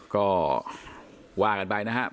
ก็ว่ากันไปนะครับ